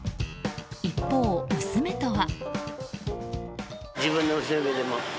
一方、娘とは。